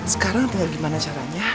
sekarang tinggal gimana caranya